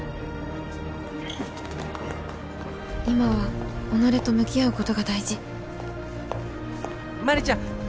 今は己と向き合うことが大事麻里ちゃん